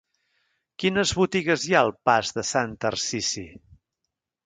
Quines botigues hi ha al pas de Sant Tarsici?